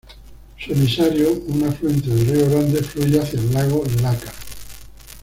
Su emisario, un afluente del río Grande, fluye hacia el lago Lácar.